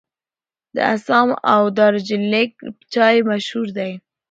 د اسام او دارجلینګ چای مشهور دی.